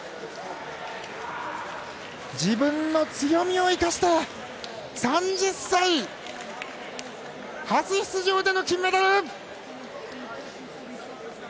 自分の強みを生かした３０歳初出場での金メダル！